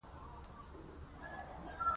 دوی مرکزي سیمو ته د اوسپنې پټلۍ غځول پیل کړي وو.